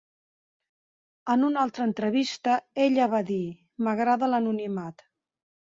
En una altra entrevista ella va dir, m'agrada l'anonimat.